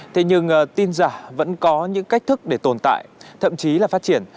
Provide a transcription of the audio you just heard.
thế nhưng tin giả vẫn có những cách thức để tồn tại thậm chí là phát triển